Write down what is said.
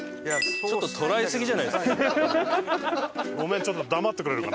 ちょっと捉えすぎじゃないですか？